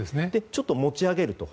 ちょっと持ち上げると。